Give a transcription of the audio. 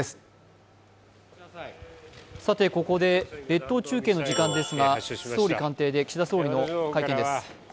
列島中継の時間ですが総理官邸で岸田総理の会見です。